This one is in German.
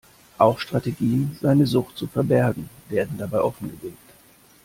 Auch Strategien, seine Sucht zu verbergen, werden dabei offengelegt.